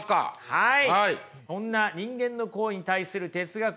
はい。